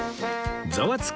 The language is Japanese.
『ザワつく！